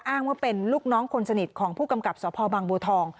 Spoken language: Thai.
อ้างว่าเป็นลูกน้องคนสนิทของผู้กำกับสพบางบัวทอง